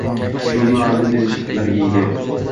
shuningdek taʼlim berish jihatlariga ega.